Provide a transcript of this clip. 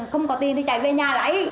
không có tiền thì chạy về nhà lấy